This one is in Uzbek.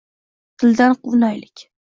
Dildan quvnaylik.